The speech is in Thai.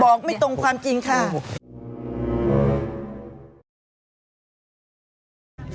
ไม่ตรงความจริงค่ะ